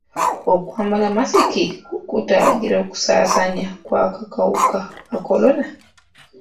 Okwambala masiki kutangira okusaasaana kw'akawuka ka kolona?